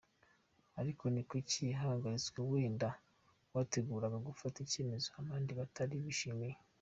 Ariko ni kuki wahagaritswe? Wenda wateguraga gufata icyemezo abandi batari bishimiye?.